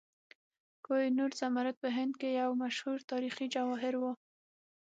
کوه نور زمرد په هند کې یو مشهور تاریخي جواهر و.